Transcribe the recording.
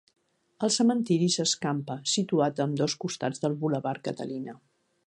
El cementiri s'escampa, situat a ambdós costats del bulevard Catalina.